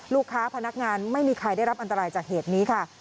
พนักงานไม่มีใครได้รับอันตรายจากเหตุนี้ค่ะ